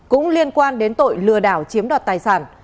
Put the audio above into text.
cũng liên quan đến tội lừa đảo chiếm đoạt tài sản